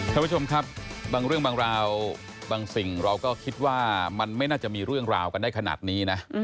ท่านผู้ชมครับบางเรื่องบางราวบางสิ่งเราก็คิดว่ามันไม่น่าจะมีเรื่องราวกันได้ขนาดนี้นะ